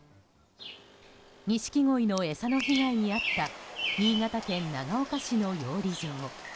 ニシキゴイの餌の被害に遭った新潟県長岡市の養鯉場。